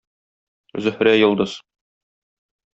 Зөһрә йолдыз